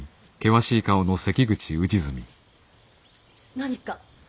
何か？